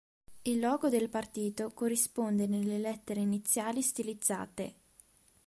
Il logo del partito corrisponde nelle lettere iniziali stilizzate.